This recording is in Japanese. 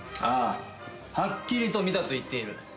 ああはっきりと見たと言っている。